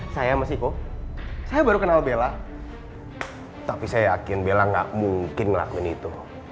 saya mesiko saya baru kenal bella tapi saya yakin bella gak mungkin ngelakuin itu